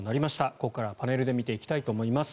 ここからはパネルで見ていきたいと思います。